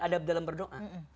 adab dalam berdoa